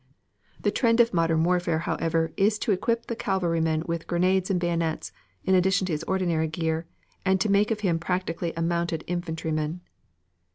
The trend of modern warfare, however, is to equip the cavalryman with grenades and bayonets, in addition to his ordinary gear, and to make of him practically a mounted infantryman.